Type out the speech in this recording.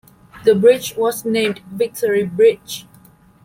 The Bridge was named "Victory Bridge".